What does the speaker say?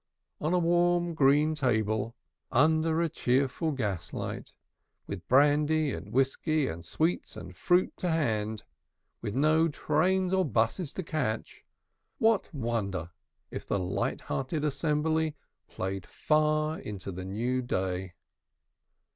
On a warm green table, under a cheerful gas light, with brandy and whiskey and sweets and fruit to hand, with no trains or busses to catch, what wonder if the light hearted assembly played far into the new day?